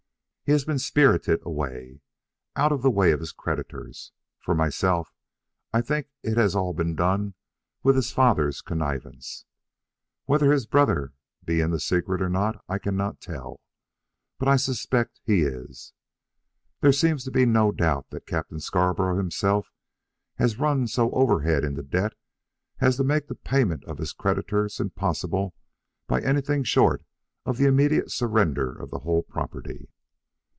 "He has been spirited away out of the way of his creditors. For myself I think that it has all been done with his father's connivance. Whether his brother be in the secret or not I cannot tell, but I suspect he is. There seems to be no doubt that Captain Scarborough himself has run so overhead into debt as to make the payment of his creditors impossible by anything short of the immediate surrender of the whole property.